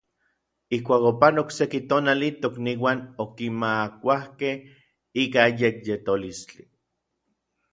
Ijkuak opanok seki tonali, tokniuan okinmaakaukej ika yekyetolistli.